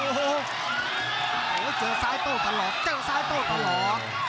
โอ้โหเจอซ้ายโต้ตลอดเจอซ้ายโต้ตลอด